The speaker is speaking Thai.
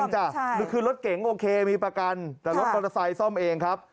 หรือคือรถเก๋งโอเคมีประกันแต่รถมอเตอร์ไซค์ซ่อมเองครับ